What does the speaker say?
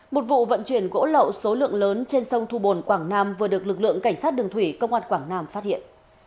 một vụ vận chuyển gỗ lậu số lượng lớn trên sông thu bồn quảng nam vừa được lực lượng cảnh sát đường thủy công an quảng nam phát hiện